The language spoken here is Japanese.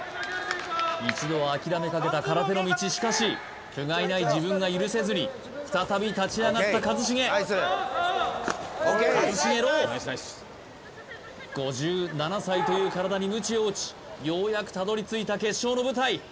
一度は諦めかけた空手の道しかしふがいない自分が許せずに再び立ち上がった一茂一茂ロー５７歳という体にむちを打ちようやくたどりついた決勝の舞台